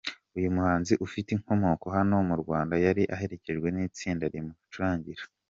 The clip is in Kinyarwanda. Uyu muhanzi ufite inkomoko hano mu Rwanda yari aherekejwe n’itsinda rimucurangira.